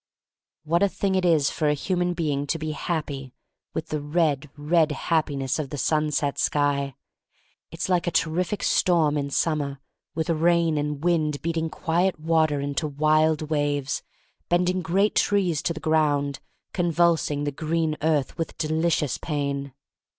What a thing it is for a human being to be happy — ^with the red, red Happiness of the sunset sky! It's like a terrific storm in summer with rain and wind, beating quiet water into wild waves, bending great trees to the ground, — convulsing the green earth with delicious pain.